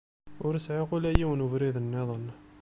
Ur sɛiɣ ula yiwen ubrid-nniḍen.